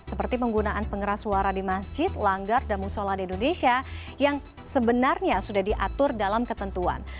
seperti penggunaan pengeras suara di masjid langgar dan musola di indonesia yang sebenarnya sudah diatur dalam ketentuan